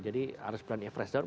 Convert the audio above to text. jadi harus berani average down